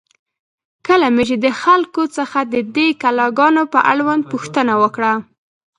کله مې چې د خلکو څخه د دې کلا گانو په اړوند پوښتنه وکړه،